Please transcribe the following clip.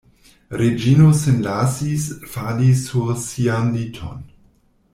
Reĝino sin lasis fali sur sian liton.